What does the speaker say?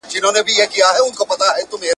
او چي روږد سي د بادار په نعمتونو `